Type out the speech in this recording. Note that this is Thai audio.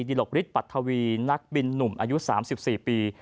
ดิโลกฤทธิ์ปัตทวีนักบินนุม๒๔ปี